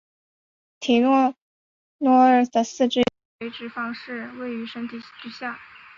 提契诺鳄的四肢以垂直方式位于身体之下。